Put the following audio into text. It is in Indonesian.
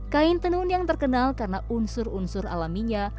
kain tenun yang terkenal karena unsur unsur alaminya